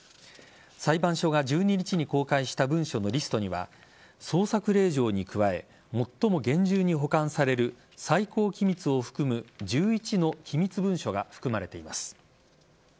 裁判所が１２日に公開した文書のリストには捜索令状に加え最も厳重に保管される最高機密を含む１１の機密文書が含まれています。